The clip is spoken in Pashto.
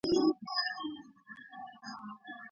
ولي مدام هڅاند د لایق کس په پرتله ډېر مخکي ځي؟